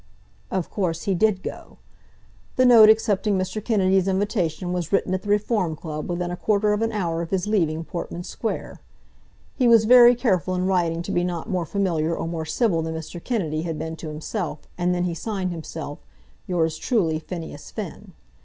Of course he did go. The note accepting Mr. Kennedy's invitation was written at the Reform Club within a quarter of an hour of his leaving Portman Square. He was very careful in writing to be not more familiar or more civil than Mr. Kennedy had been to himself, and then he signed himself "Yours truly, Phineas Finn."